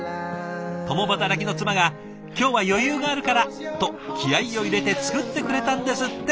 共働きの妻が「今日は余裕があるから」と気合いを入れて作ってくれたんですって。